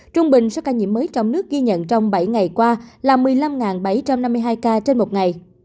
trung bình số ca nhiễm mới trong nước ghi nhận trong bảy ngày qua là một mươi năm bảy trăm năm mươi hai ca trên một ngày